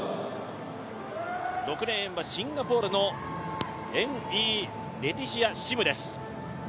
６レーンはシンガポールのエンイーレティシア・シムです。